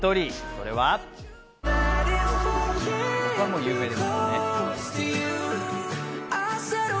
これはもう有名ですよね。